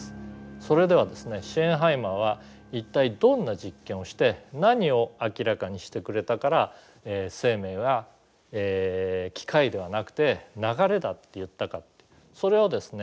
それではですねシェーンハイマーは一体どんな実験をして何を明らかにしてくれたから生命は機械ではなくて流れだって言ったかってそれをですね